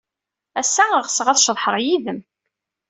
Ass-a, ɣseɣ ad ceḍḥeɣ yid-m.